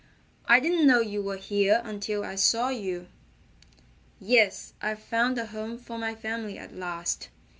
"I didn't know you were here until I saw you." "Yes, I've found a home for my family at last.